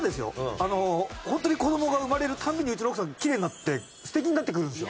あのホントに子供が生まれる度にうちの奥さんきれいになって素敵になっていくんですよ。